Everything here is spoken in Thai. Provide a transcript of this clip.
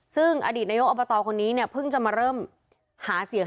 ซึ่งอดีตนายกอบตคนนี้เนี่ยเพิ่งจะมาเริ่มหาเสียง